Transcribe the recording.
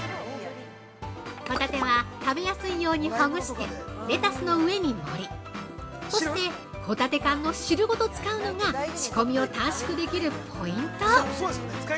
ホタテは食べやすいようにほぐして、レタスの上に盛りそしてホタテ缶の汁ごと使うのが仕込みを短縮できるポイント。